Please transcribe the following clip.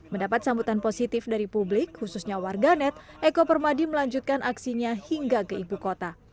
mendapat sambutan positif dari publik khususnya warganet eko permadi melanjutkan aksinya hingga ke ibu kota